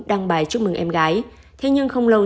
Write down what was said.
đăng bài chúc mừng em gái thế nhưng không lâu